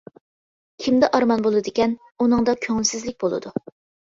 كىمدە ئارمان بولىدىكەن، ئۇنىڭدا كۆڭۈلسىزلىك بولىدۇ.